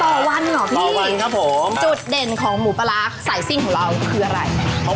ต่อวันเหรอพี่จุดเด่นของหมูปลาร้าใส่ซิ่งของเราคืออะไรครับต่อวันเหรอพี่